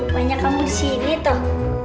banyak kamu disini toh